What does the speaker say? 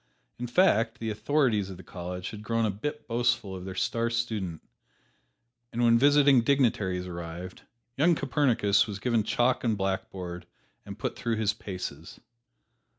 In fact the authorities of the college had grown a bit boastful of their star student, and when visiting dignitaries arrived, young Copernicus was given chalk and blackboard and put through his paces.